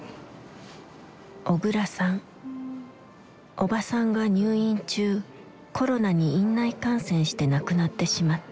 おばさんが入院中コロナに院内感染して亡くなってしまった。